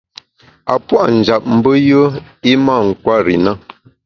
A puâ’ njap mbe yùe i mâ nkwer i na.